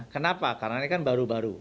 kenapa karena ini kan baru baru